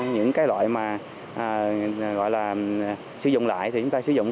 những loại mà sử dụng lại thì chúng ta sử dụng